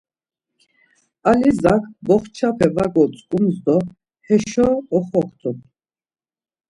Alizak boxçape var gontzǩums do heşo oxoktun.